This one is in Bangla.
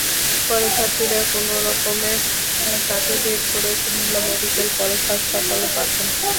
পরে ছাত্রীরা কোনো রকমে তাঁকে বের করে কুমিল্লা মেডিকেল কলেজ হাসপাতালে পাঠান।